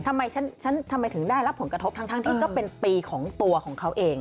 ทำไมฉันทำไมถึงได้รับผลกระทบทั้งที่ก็เป็นปีของตัวของเขาเอง